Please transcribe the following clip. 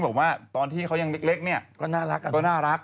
บอกว่าตอนที่เขายังเล็กเนี่ยก็น่ารัก